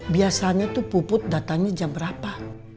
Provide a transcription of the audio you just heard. biasanya tuh puput datangnya jam berapa